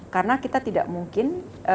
karena kita tidak mungkin